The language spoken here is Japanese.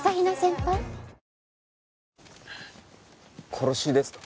殺しですか？